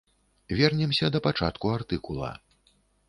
Вернемся да пачатку артыкула.